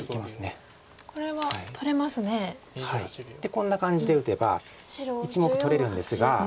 こんな感じで打てば１目取れるんですが。